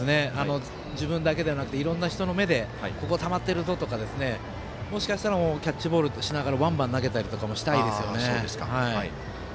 自分だけではなくていろんな人の目でここ、たまってるぞとかもしかしたらキャッチボールしながらワンバン投げたりとかしたいです。